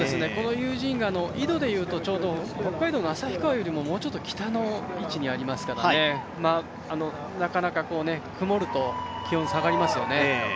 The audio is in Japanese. ユージーンが緯度でいうと北海道の旭川よりももうちょっと北の位置にありますからねなかなか曇ると気温が下がりますよね。